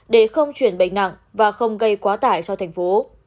để không chuyển bệnh nặng và không gây quá tải cho thành phố